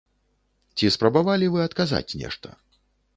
Ці спрабавалі вы адказаць нешта?